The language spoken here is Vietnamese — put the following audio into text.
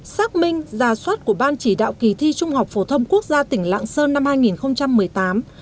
xác minh giả soát của ban chỉ đạo kỳ thi trung học phổ thông quốc gia tỉnh lạng sơn năm hai nghìn một mươi tám